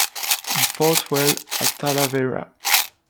He fought well at Talavera.